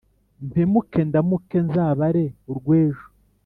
Mpemuke ndamuke nzabare urw' ejo ,